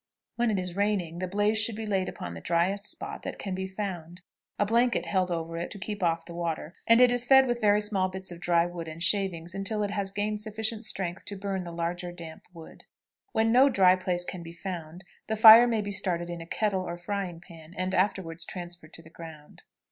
When it is raining, the blaze should be laid upon the dryest spot that can be found, a blanket held over it to keep off the water, and it is fed with very small bits of dry wood and shavings until it has gained sufficient strength to burn the larger damp wood. When no dry place can be found, the fire may be started in a kettle or frying pan, and afterward transferred to the ground.